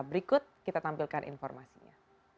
berikut kita tampilkan informasinya